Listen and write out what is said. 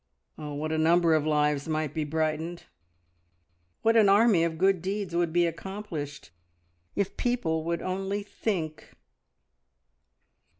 Oh, what a number of lives might be brightened, what an army of good deeds would be accomplished if people would only "think!"